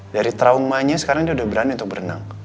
dari traumanya sekarang dia udah berani untuk berenang